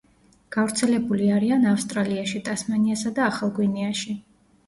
გავრცელებული არიან ავსტრალიაში, ტასმანიასა და ახალ გვინეაში.